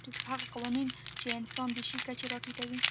هغه قوانین چې انسان د شي کچې ته راټیټوي.